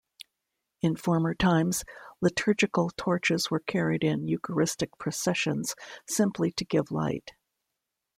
In former times, liturgical torches were carried in Eucharistic processions simply to give light.